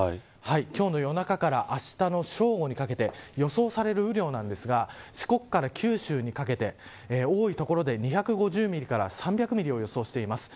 今日の夜中からあしたの正午にかけて予想される雨量なんですが四国から九州にかけて多い所で２５０ミリから３００ミリを予想しています。